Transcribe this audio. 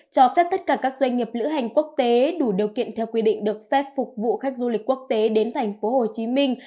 cho phép tất cả các doanh nghiệp lữ hành quốc tế đủ điều kiện theo quy định được phép phục vụ khách du lịch quốc tế đến thành phố hồ chí minh